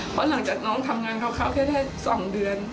เพราะหลังจากน้องทำงานคร่าวแค่๒เดือน